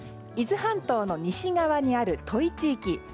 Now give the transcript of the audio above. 伊豆半島の西側にある土肥地域。